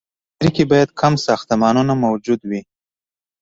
د سړک په مسیر کې باید کم ساختمانونه موجود وي